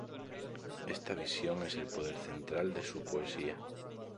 Esta visión es el poder central de su poesía.